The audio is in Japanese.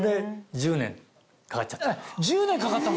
１０年かかっちゃった。